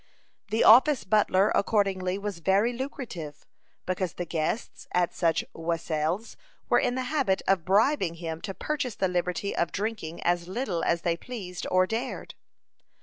The office butler accordingly was very lucrative, because the guests at such wassails were in the habit of bribing him to purchase the liberty of drinking as little as they pleased or dared.